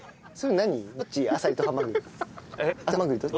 何？